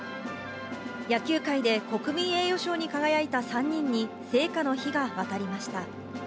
野球界で国民栄誉賞に輝いた３人に聖火の火が渡りました。